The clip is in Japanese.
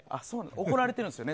怒られてるんですよね。